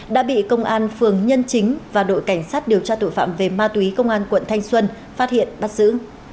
đã bị công an phường nhân chính và đội cảnh sát điều tra tội phạm về ma túy công an quận thanh xuân phát hiện bắt giữ